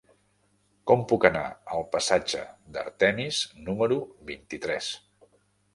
Com puc anar al passatge d'Artemis número vint-i-tres?